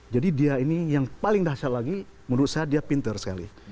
jadi dia ini yang paling dahsyat lagi menurut saya dia pinter sekali